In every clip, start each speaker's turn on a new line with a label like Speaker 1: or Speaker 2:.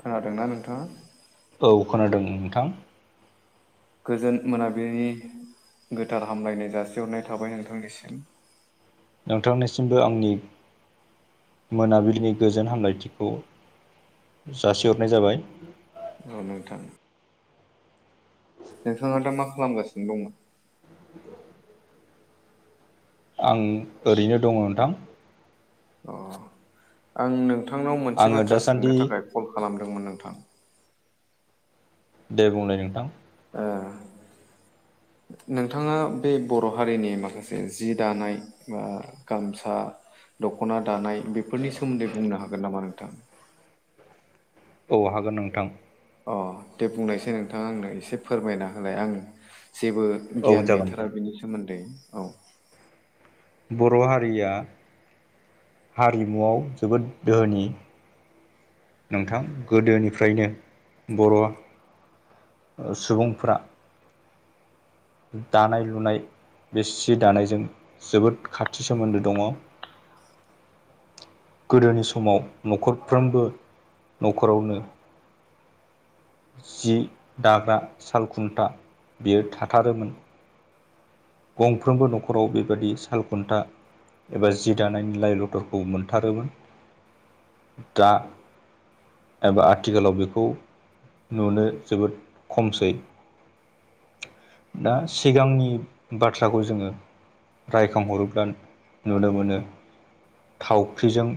Speaker 1: खोनादोंना नोंथाङा?
Speaker 2: औ खोनादों नोंथां।
Speaker 1: गोजोन मोनाबिलिनि गोथार हामलायनाय जासिहरनाय थाबाय नोंथांनिसिम।
Speaker 2: नोंथांनिसिमबो आंनि मोनाबिलिनि गोजोन हामलायथिखौ जासिहरनाय जाबाय।
Speaker 1: औ नोंथां।
Speaker 2: [inaudible]
Speaker 1: नोंथाङा दा मा खालामगासिनो दं?
Speaker 2: आं ओरैनो दङ नोंथां।
Speaker 1: अ आं नोंथांनाव मोनसे
Speaker 2: आङो
Speaker 1: बाथ्रा
Speaker 2: दासान्दि
Speaker 1: सोंनो थाखाय कल खालामदोंमोन नोंथां।
Speaker 2: दे बुंलाय नोंथां।
Speaker 1: ओ नोंथाङा बे बर' हारिनि माखासे जि दानाय बा गामसा दख'ना दानाय बेफोरनि सोमोन्दै बुंनो हागोन नामा नोंथां।
Speaker 2: औ हागोन नोंथां।
Speaker 1: अ दे बुंनायसाय नोंथाङा आंनो एसे फोरमायना होनाय आं जेबो
Speaker 2: औ
Speaker 1: गियान
Speaker 2: जागोन
Speaker 1: गैथारा
Speaker 2: दे
Speaker 1: बेनि सोमोन्दै औ।
Speaker 2: बर' हारिया हारिमुआव जोबोद दोहोनि नोंथां गोदोनिफ्रायनो बर' सुबुंफ्रा दानाय लुनाय बे सि दानायजों जोबोद खाथि सोमोन्दो दङ। गोदोनि समाव न'खरफ्रोमबो न'खरावनो जि दाग्रा सालखुन्था बेयो थाथारोमोन। गंफ्रोमबो न'खराव बेबायदि साल खुन्था एबा जि दानायनि लाइ लथरखौ मोनथारोमोन दा एबा आथिखालाव बेखौ नुनो जोबोद खमसै। दा सिगांनि बाथ्राखौ जोङो रायखांहरोब्ला नुनो मोनो। थावख्रिजों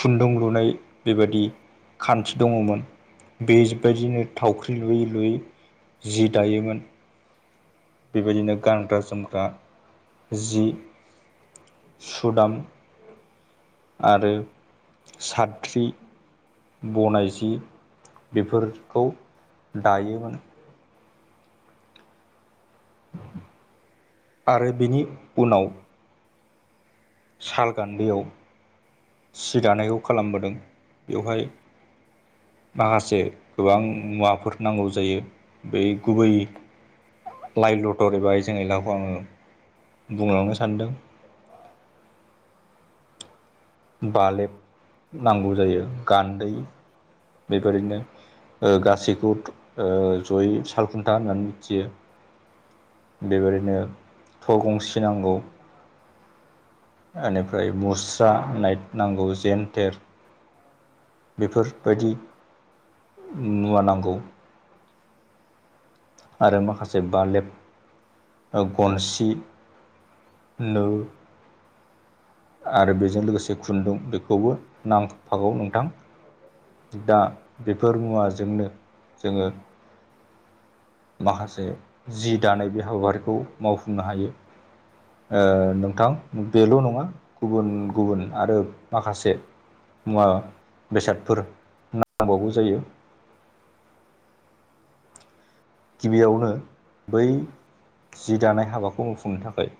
Speaker 2: खुन्दुं लुनाय बेबायादि खान्थि दङमोन। बेजबायदिनो थावख्रि लुयै लुयै जि दायोमोन। बेबायदिनो गानग्रा जोमग्रा जि सुदाम आरो साद्रि बनाय जि बेफोरखौ दायोमोन आरो बिनि उनाव साल गान्दैयाव सि दानायखौ खालामबोदों बेवहाय माखासे गोबां मुवाफोर नांगौ जायो बै गुबै लाइभ लटर एबाइ जें एलाखौ आङो बुंलांनो सानदों बालेब नांगौ जायो गान्दै बेबायदिनो ओ गासैखौ ओ जयै सालखुन्था होननानै मिथियो बेबायदिनो थ' गंसि नांगौ। बेनिफ्राय मुस्रा होननाय नांगौ जेनथेर बेफोरबायदि मुवा नांगौ आरो माखासे बालेब गनसि नो आरो बेजों लोगोसे खुन्दुं बेखौबो नांफागै नोंथां। दा बेफोर मुवाजोंनो जोङो माखासे जि दानाय बे हाबाफारिखौ मावफुंनो हायो ओ नोंथां बेल' नङा गुबुन गुबुन आरो माखासे मुवा बेसादफोर नांबावगौ जायो गिबियावनो बै जि दानाय हाबाखौ मावफुंनो थाखाय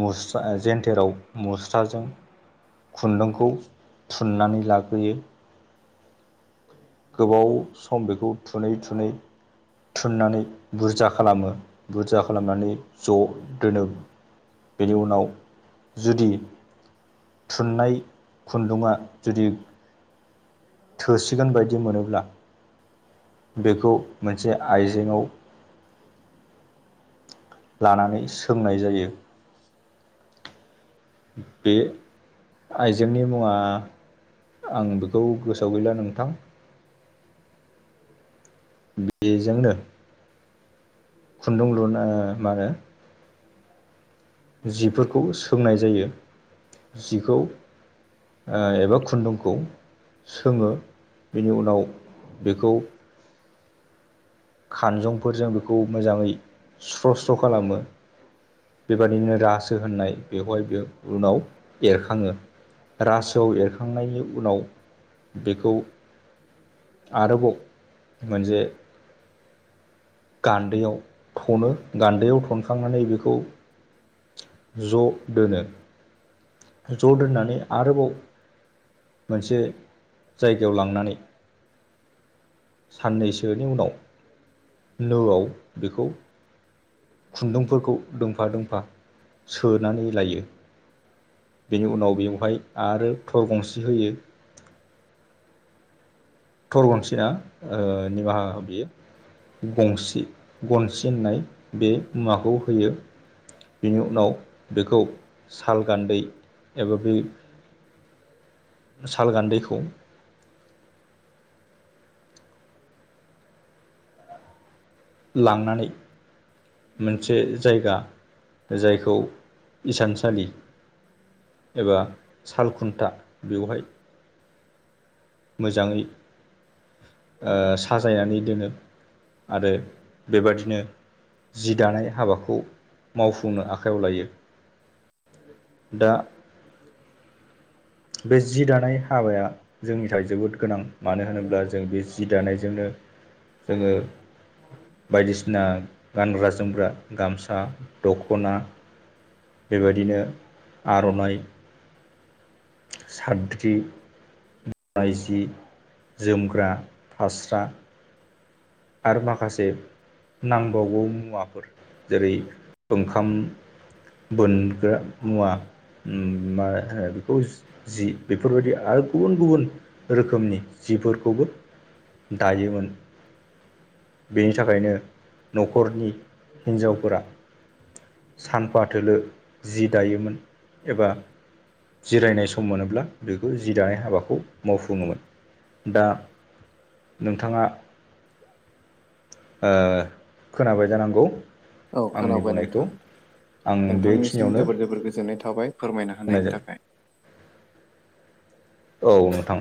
Speaker 2: मुस्रा जेन्थेराव मुस्राजों खुन्दुंखौ फुननानै लाग्रोयो गोबाव सम बेखौ थुनै थुनै थुननानै बुरजा खालामो बुरजा खालामनानै ज' दोनो बेनि उनाव जुदि थुननाय खुन्दुङा जुदि थोसिगोन बायदि मोनोब्ला बेखौ मोनसे आइजेेंङाव लानानै सोंनाय जायो बे आइजेंनि मुङा आं बेखौ गोसोआव गैला नोंथां। बेजोंनो खुन्दुं लुनो म होनो जिफोरखौ सोंनाय जायो जिखौ एबा खुन्दुंखौ सोङो बेनि उनाव बेखौ खानजंफोरजों बेखौ मोजाङै स्र' स्र'खालामो बेबायदिनो रासो होननाय बेवहाय बे उनाव एरखाङो? रासोआव एरखांनायनि उनाव बेखौ आरोबाव मोनसेे गान्दैयाव थनो गान्दैयाव थनखांनानै बेखौ ज' दोनो। ज' दोननानै आरोबाव मोनसे जायगायाव लांनानै साननैसोनि उनाव नोआव बेखौ खुन्दुंफोरखौ दोंफा दोंफा सोनानै लायो। बेनि उनाव बेवहाय आरो थर गंसि होयो। थर गनसेया निमाहा बियो गंसि गनसि होननाय बे मुवाखौ होयो। बेनि उनाव बेखौ साल गान्दै एबा बे साल गान्दैखौ लांनानै मोनसे जायगा जायखौ इसानसालि एबा साल खुन्था बेवहाय मोजाङै। ओ साजायनानै दोनो आरो बेबादिनो जि दानाय हाबाखौ मावफुंनो आखाइायाव लायो दा बे जि दानाय हाबाया जोंनि थाखाय जोबोद गोनां मानो होनोब्ला जों बे जि दानायजोंनो जोङो बायदिसिना गानग्रा जोमग्रा गामसा दख'ना बेबायदिनो आर'नाइ साद्रि लाइ जि जोमग्रा फास्रा आरो माखासे नांबावगौ मुवाफोर जेरै ओंखाम बोनग्रा मुवा मा होनो बेखौ जि बेफोरबायदि आरो गुबुन गुबुन रोखोमनि जिफोरखौबो दायोमोन। बेनि थाखायनो न'खरनि हिनजावफोरा सानफा थोलो जि दायोमोन एबा जिरायनाय सम मोनोब्ला बेखौ जिदानाय हाबाखौ मावफुङोमोन। दा नोंथाङा ओ खोनाबाय जानांगौ
Speaker 1: औ
Speaker 2: आंनि
Speaker 1: खोनाबाय
Speaker 2: बुंनायखौ
Speaker 1: नोंथां।
Speaker 2: आं
Speaker 1: नोंथांनिसिम
Speaker 2: बेखिनियावनो
Speaker 1: जोबोर जोबोर गोजोननाय थाबाय फोरमायना
Speaker 2: बुंनाय
Speaker 1: होनायनि
Speaker 2: जाबाय
Speaker 1: थाखाय
Speaker 2: औ नोंथां।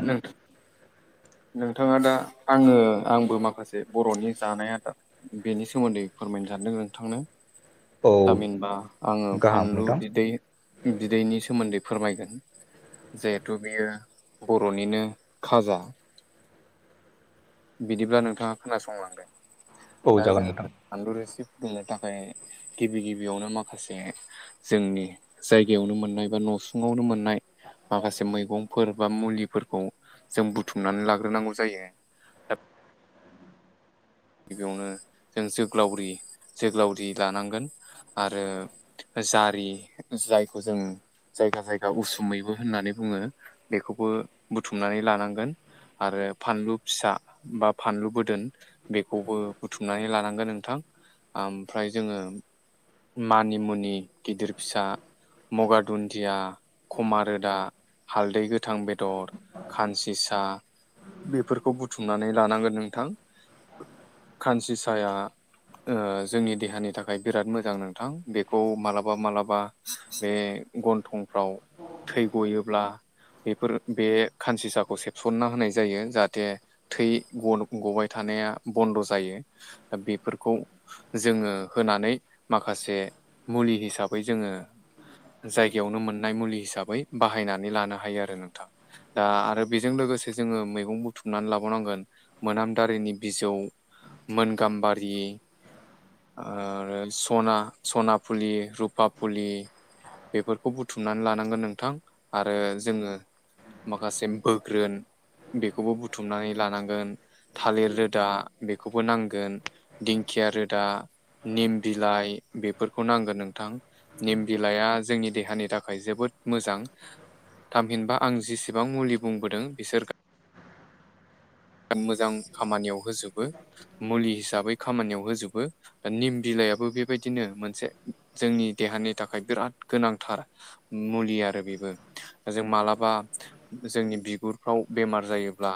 Speaker 1: नोंथाङा दा आङो आंबो माखासे बर'नि जानाय आदार बेनि सोमोन्दै फोरमायनो सानदों नोंथांनो।
Speaker 2: औ
Speaker 1: थामिनबा आङो
Speaker 2: गाहाम
Speaker 1: फानलु
Speaker 2: नोंथां
Speaker 1: बिदै बिदैनि सोमोन्दै फोरमायगोन जिहेथु बियो बर'निनो खाजा। बिदिब्ला नोंथाङा खोनासंलांदों
Speaker 2: औ
Speaker 1: दा
Speaker 2: जागोन
Speaker 1: जोङो
Speaker 2: नोंथां
Speaker 1: फानलु रोसि फुदुंनो थाखाय गिबि गिबियावनो माखासे जोंनि जायगायावनो मोननाय बा न'सुंङावनो मोन माखासे मैगंफोर बा मुलिफोरखौ जों बुथुमनानै लाग्रोनांगौ जायो। [inaudible] गिबियावनो जों जोग्लावरि जोग्लावरि लानांगोन आरो जारि जायखौ जों जायगा जायगा उसुमैबो होननानै बुङो बेखौबो बुथुमनानै लानांगोन। आरो फानलु फिसा बा फानलु बोदोन बेखौबो बुथुमनानै लानांगोन नोंथां ओमफ्राय जोङो मानि मुनि गिदिर फिसा मगा दुन्दिया खमा रोदा हालदै गोथां बेदर खानसिसा बेफोरखौ बुथुमनानै लानांगोन नोंथां। खानसिसाया जोंनि देहानि थाखाय बिराद मोजां नोंथां बेखौ मालाबा मालाबा बे गन्थंफ्राव थै गयोब्ला बेफोर बे खानसिसाखौ सेबसनना होनाय जायो जाहाथे थै ग-गबाय थानाया बन्द' जायो दा बेफोरखौ जोङो होनानै माखासे मुलि हिसाबै जोङो जायगायावनो मोननाय मुलि हिसाबै बाहायनानै लानो हायो आरो नोंथां दा आरो बेजों लोगोसे जोङो मैगं बुथुमनानै लाबावनांगोन मोनामदारिनि बिजौ मोन गाम्बारि आरो सना सना फुलि रुपा फुलि बेफोरखौ बुथुमनानै लानांगोन नोंथां आरो जोङो माखासे बोग्रोन बेखौबो बुथुमनानै लानांगोन थालिर रो दा बेखौबो नांगोन दिंखिया रोदा निम बिलाइ बेफोरखौ नांगोन नोंथां। निम बिलाइआ जोंनि देहानि थाखाय जोबोद मोजां थामहिनबा आं जिसेबां मुलि बुंबोदों बिसोर मोजां खामानियाव होजोबो मुलि हिसाबै खामानियाव होजोबो दा निम बिलाइाबो बेबायदिनो मोनसे जोंनि देहानि थाखाय बिराद गोनांथार। मुलि आरो बेबो। जों मालाबा जोंनि बिगुरफ्राव बेमार जायोब्ला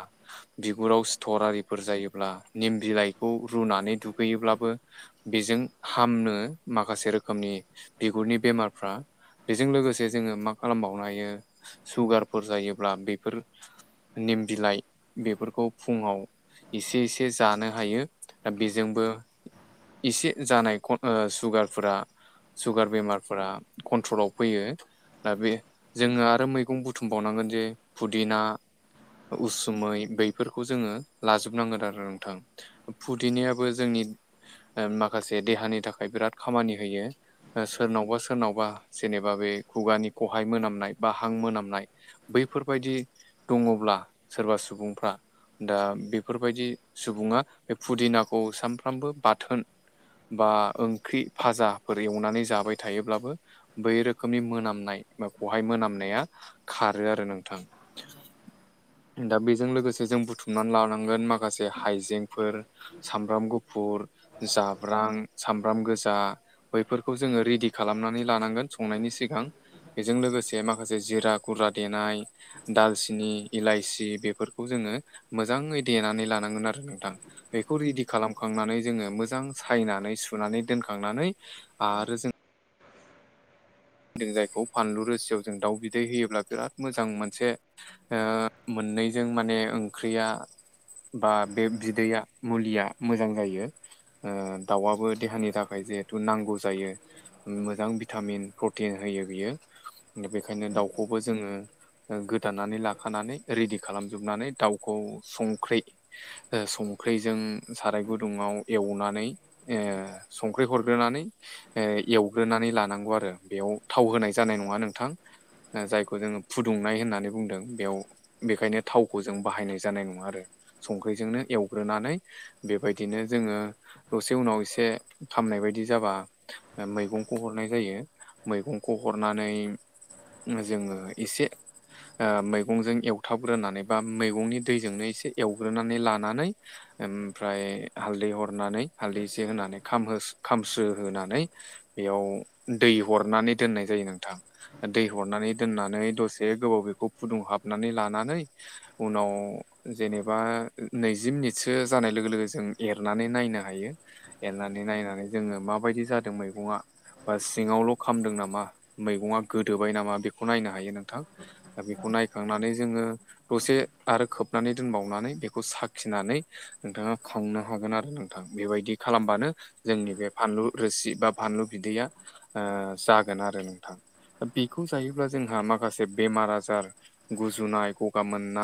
Speaker 1: बिगुराव सिथर आरिफोर जायोब्ला निम बिलाइखौ रुनानै दुगैयोब्लाबो बेजों हामनो माखासे रोखोमनि बिगुरनि बेमारफ्रा बेजों लोगोसे जोङो मा खालामबावनो हायो सुगारफोर जायोब्ला बेफोर निम बिलाइ बेफोरखौ फुङाव एसे एसे जानो हायो दा बेजोंबो एसे जानाय सुगारफोरा सुगार बेमारफोरा कन्ट्रलाव फैयो। दा बे जोङो आरो मैगं बुथुमबावनांगोन जे फुदि ना उसुमै बैफोरखौ जोङो लाजोबो नांगोन आरो नोंथां फुदिनायाबो जोंनि माखासे देहानि थाखाय बिराद खामानि होयो। सोरनावबा सोरनावबा जेनेबा बे खुगानि खहाय मोनामनाय बा हां मोनामनाय बैफोरबायदि दङब्ला सोरबा सुबुंफ्रा दा बे बेफोरबायदि सुबुङा बे फुदिनाखौ सानफ्रामबो बाथोन बा ओंख्रि फाजाफोर एवनानै जाबाय थायोब्लाबो बै रोखोमनि मोनामनाय बाखौहाय मोनामनाया खारो आरो नोंथां दा बेजों लोगोसे जों बुथुमनानै लानां गोन माखासे हाइजेंफोर सामब्राम गुफुर जाब्रां सामब्राम गोजा बैफोरखौ जोङो रेडि खालामनानै लानांगोन संनायनि सिगां। बेजों लोगोसे माखासे जिरा गुरा देनाय दालसिनि इलाइसि बेफोरखौ जोङो मोजाङै देनानै लानांगोन आरो नोंथां। बेखौ रेडि खालामखांनानै जोङो मोजां सायनानै सुनानै दोनखांनानै आरो जों जों जायखौ फानलु रोसियाव जों दाउ बिदै होयोब्ला बिराद मोजां मोनसे ओ मोननैजों माने ओंख्रिया बा बे बिदैया मुलिया मोजां जायो दाउआबो देहानि थाखाय जिहेथु नांगौ जायो मोजां भिटामिन टेन होयो बियो दा बेखायनो दाउखौबो जोङो ओ गोदानानै लाखानानै रेडि खालामजोबनानै दाउखौ संख्रै संख्रिजों साराय गुदुङाव एवनानै संख्रि हरग्रोनानै एवग्रोनानै लानांगौ आरो। बेयाव थाव होनाय जानाय नङा नोंथां जायखौ जोङो फुदुंनाय होननानै बुंदों बेयाव बेखायनो थावखौ जों बाहायनाय जानाय नङा आरो संख्रिजोंनो एवग्रोनानै बेबायदिनो जोङो दसे उनाव एसे खामनाय बायदि जाबा मैगंखौ हरनाय जायो मैगंखौ हरनानै जोङो एसे मैगंजों एवथाबग्रोनानै बा मैगंनि दैजोंनो एसे एवग्रोनानै लानानै ओमफ्राय हालदै हरनानै हालदै एसे होनानै खामहो खामस्रो होनानै बेयाव दै हरनानै दोननाय जायो नोंथां। दै हरनानै दोननानै दसे गोबाव बेखौ फुदुंहाबनानै लानानै उनाव जेनेबा नैजि मिनिटसो जानाय लोगो लोगो जों एरनानै नायनो हायो। एरनानै नायनानै जोङो माबायदि जादों मैगङा बा सिङावल' खामदों नामा मैगङा गोदोबाय नामा बेखौ नायनो हायो नों थां। दा बेखौ नायखांनानै जोङो दसे आरो खोबनानै दोनबावनानै बेखौ साखिनानै नोंथाङा खावनो हागोन आरो नोंथां। बेबायदि खालामबानो जोंनि बे फानलु रोसि बा फानलु बिदैया ओ जागोन आरो नोंथां। बेखौ जायोब्ला जोंहा माखासे बेमार आजार गुजुनाय गगा मोनना